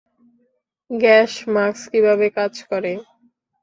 Gas mask কীভাবে কাজ করে?